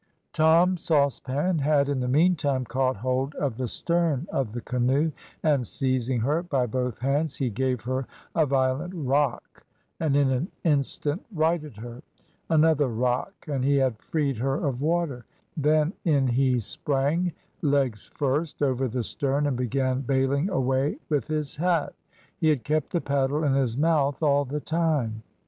"Tom Saucepan had, in the meantime, caught hold of the stern of the canoe, and, seizing her by both hands, he gave her a violent rock, and in an instant righted her; another rock, and he had freed her of water; then in he sprang, legs first, over the stern, and began baling away with his hat. He had kept the paddle in his mouth all the time.